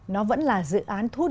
nó vẫn là dự án thu hút